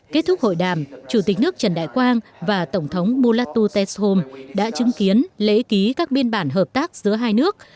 kết thúc hội đàm chủ tịch nước trần đại quang và tổng thống bulatu teshom đã chứng kiến lễ ký các biên bản hợp tác giữa hai nước